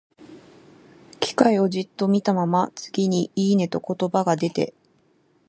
機械をじっと見たまま、次に、「いいね」と言葉が出て、